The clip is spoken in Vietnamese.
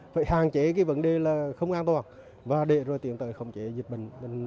phải hạn chế vấn đề không an toàn và để rồi tiến tới không chế dịch bệnh